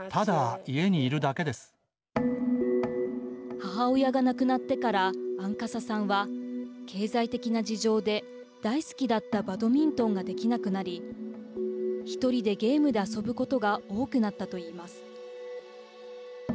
母親が亡くなってからアンカサさんは経済的な事情で大好きだったバドミントンができなくなり１人でゲームで遊ぶことが多くなったといいます。